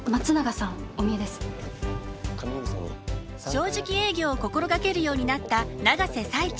正直営業を心掛けるようになった永瀬財地。